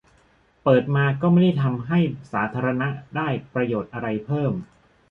- เปิดมาก็ไม่ได้ทำให้สาธารณะได้ประโยชน์อะไรเพิ่ม